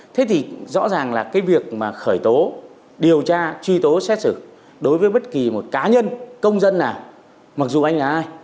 thế thì rõ ràng là việc khởi tố điều tra truy tố xét xử đối với bất kỳ cá nhân công dân nào mặc dù anh là ai